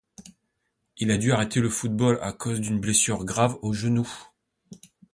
Il a dû arrêter le football à cause d'une blessure grave au genou.